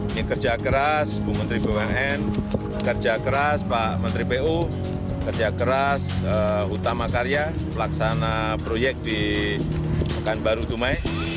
ini kerja keras bumn kerja keras pak menteri pu kerja keras hutama karya pelaksana proyek di mekan baru dumai